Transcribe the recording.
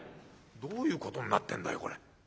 どういうことになってんだよこれ。